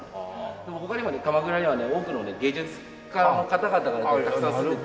でも他にも鎌倉にはね多くの芸術家の方々がたくさん住んでいて。